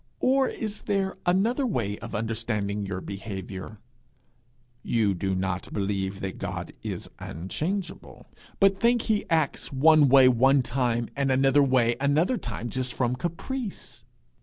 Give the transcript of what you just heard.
Or is there another way of understanding your behaviour: you do not believe that God is unchangeable, but think he acts one way one time and another way another time just from caprice?